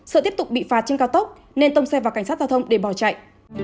sợ tiếp tục bị phạt trên cao tốc nên tông xe vào cảnh sát giao thông để bỏ chạy